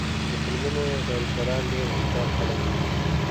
د فلمونو ډایرکټران ډېر هوښیار خلک دي.